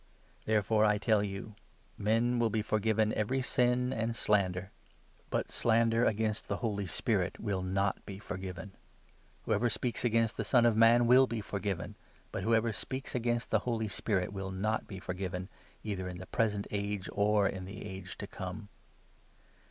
Therefore, I 31 tell you, men will be forgiven every sin and slander ; but J8 Isji. 41 8 ; 42. i. 19 21 jsa. 42. 2_4. 64 MATTHEW, 12. slander against the Holy Spirit will not be forgiven. Whoever 32 speaks against the Son of Man will be forgiven, but whoever speaks against the Holy Spirit will not be forgiven, either in the present age, or in the age to come.